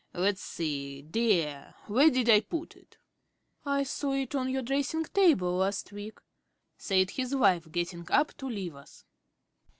Let's see, dear; where did I put it?" "I saw it on your dressing table last week," said his wife, getting up to leave us.